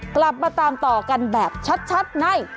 กลับมาตามต่อกันแบบชัดใน